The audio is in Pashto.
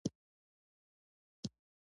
دی خپل کار کوي، زه خپل.